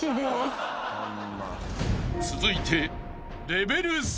［続いて］